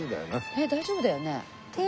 えっ大丈夫だよね？